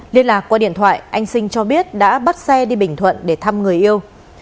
liên lạc qua điện thoại anh sinh cho biết đã bắt xe đi bình thuận để thăm người yêu